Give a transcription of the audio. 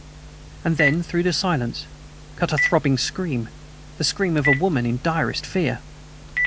And then, through the silence, cut a throbbing scream the scream of a woman in direst fear.